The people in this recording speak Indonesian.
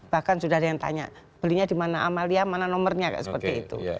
bahkan sudah ada yang tanya belinya dimana amalia mana nomernya seperti itu